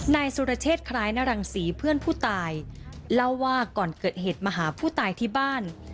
นายสุรเชษคล้ายนรังศรีเพื่อนผู้ตายเล่าว่าก่อนเกิดเหตุมาหาผู้ตายที่บ้าน